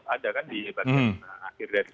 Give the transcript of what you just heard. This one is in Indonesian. ada kan di bagian akhir dari